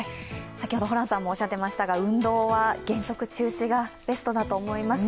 先ほどホランさんもおっしゃっていましたが運動は原則、中止がベストだと思います。